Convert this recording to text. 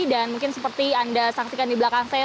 dan mungkin seperti anda saksikan di belakang saya